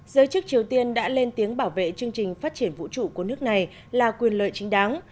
giới chức triều tiên đã lên tiếng bảo vệ chương trình phát triển vũ trụ của nước này là quyền lợi chính đáng